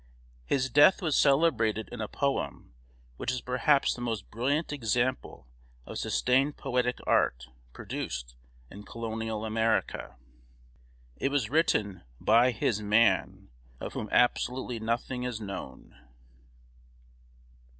His death was celebrated in a poem which is perhaps the most brilliant example of sustained poetic art produced in Colonial America. It was written "by his man," of whom absolutely nothing is known.